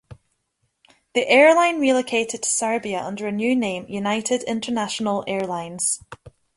The airline relocated to Serbia under a new name, United International Airlines.